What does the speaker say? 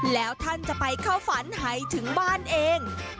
แล้วท่านจะไปเข้าฝันให้ถึงบ้านเอง